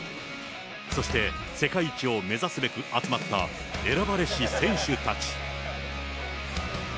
そして、世界一を目指すべく集まった選ばれし、選手たち。